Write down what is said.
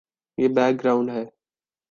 یہ background ہے۔